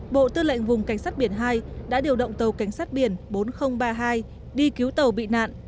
bộ tư lệnh vùng cảnh sát biển hai đã điều động tàu cảnh sát biển bốn nghìn ba mươi hai đi cứu tàu bị nạn